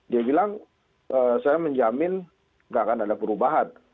dia bilang saya menjamin nggak akan ada perubahan